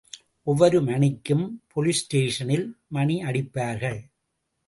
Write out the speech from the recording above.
ஒவ்வொரு மணிக்கும் போலீஸ் ஸ்டேஷனில் மணி அடிப்பார்கள்.